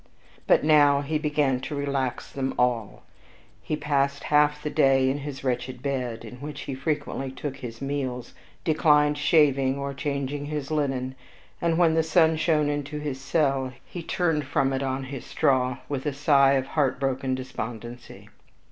But now he began to relax them all. He passed half the day in his wretched bed, in which he frequently took his meals, declined shaving or changing his linen, and, when the sun shone into his cell, he turned from it on his straw with a sigh of heartbroken despondency.